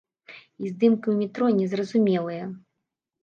І здымкі ў метро не зразумелыя.